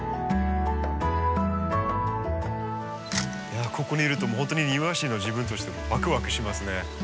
いやここにいるともうほんとに庭師の自分としてワクワクしますね。